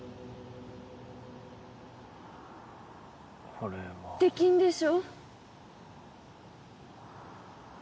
ほれはできんでしょう？